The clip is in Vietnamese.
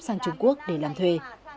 sang trung quốc để làm thuê